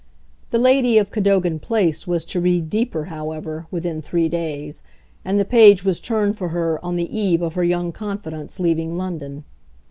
The lady of Cadogan Place was to read deeper, however, within three days, and the page was turned for her on the eve of her young confidant's leaving London.